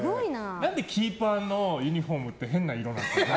何でキーパーのユニホームって変な色なんですか。